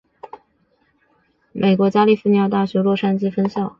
张五常毕业于美国加利福尼亚大学洛杉矶分校经济学系。